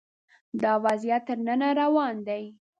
دا وضعیت تر ننه روان دی